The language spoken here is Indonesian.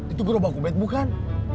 itu gerobak ubed bukan